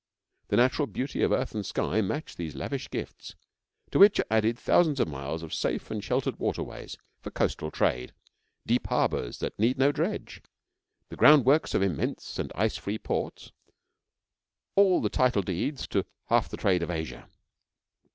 The natural beauty of earth and sky match these lavish gifts; to which are added thousands of miles of safe and sheltered waterways for coastal trade; deep harbours that need no dredge; the ground works of immense and ice free ports all the title deeds to half the trade of Asia.